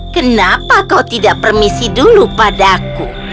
kenapa kau tidak permisi dulu padaku